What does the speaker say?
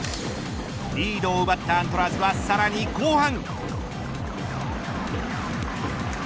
リードを奪ったアントラーズはさらに後半。